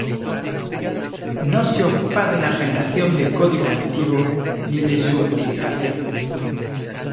No se ocupa de la generación de código nativo, ni de su optimización.